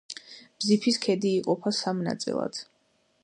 ბზიფის ქედი იყოფა სამ ნაწილად.